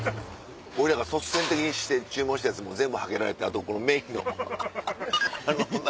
俺らが率先的にして注文したやつ全部はけられてあとこのメインのあの何か。